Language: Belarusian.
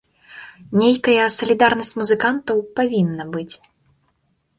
Нейкая салідарнасць музыкантаў павінна быць.